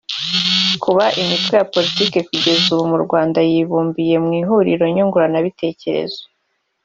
Kuba imitwe ya Politiki kugeza ubu mu Rwanda yibumbiye mu ihuriro nyunguranabitekerezo